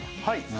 はい。